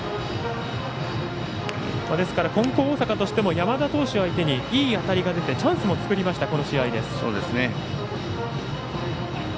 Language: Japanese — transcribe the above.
金光大阪としても山田投手相手にいい当たりが出てチャンスも作りました、この試合です。